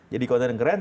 jadi konten yang keren